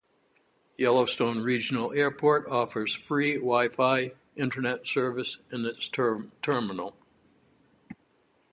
Yellowstone Regional Airport offers free Wi-Fi Internet service in its terminal.